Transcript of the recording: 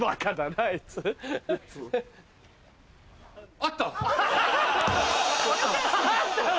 あったの？